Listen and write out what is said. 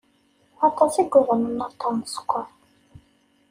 Aṭas i yuḍnen aṭṭan n sskeṛ.